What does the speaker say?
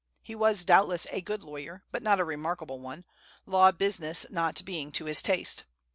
He was, doubtless, a good lawyer, but not a remarkable one, law business not being to his taste.